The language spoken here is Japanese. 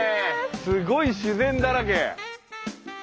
すごい自然だらけ。